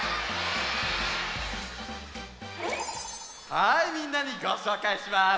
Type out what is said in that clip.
はいみんなにごしょうかいします。